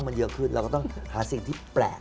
แมทโอปอล์